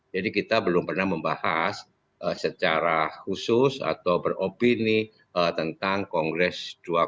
jadi kita belum pernah membahas secara khusus atau beropini tentang kongres dua ribu dua puluh lima